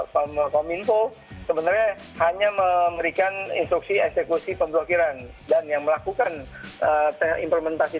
kominfo sebenarnya hanya memberikan instruksi eksekusi pemblokiran dan yang melakukan implementasi